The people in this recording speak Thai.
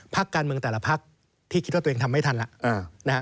พักการเมืองแต่ละพักที่คิดว่าตัวเองทำไม่ทันแล้วนะฮะ